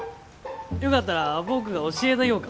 よかったら僕が教えたぎょうか。